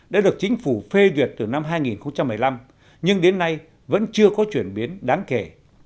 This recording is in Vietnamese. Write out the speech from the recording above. đã được chính phủ phê duyệt từ năm hai nghìn một mươi năm nhưng đến nay vẫn chưa có chuyển biến đáng kể